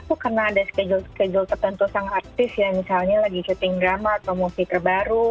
itu karena ada schedule schedule tertentu sang artis ya misalnya lagi syuting drama atau movie terbaru